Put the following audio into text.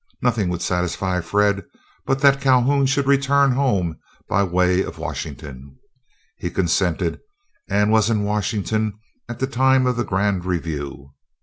Nothing would satisfy Fred, but that Calhoun should return home by the way of Washington. He consented, and was in Washington at the time of the Grand Review.